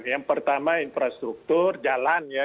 yang pertama infrastruktur jalan ya